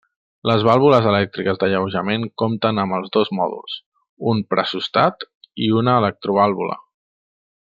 Les vàlvules elèctriques d'alleujament compten amb els dos mòduls, un pressòstat i una electrovàlvula.